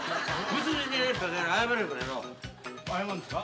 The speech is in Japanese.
謝んですか？